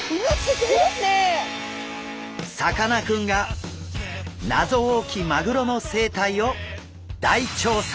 さかなクンが謎多きマグロの生態を大調査！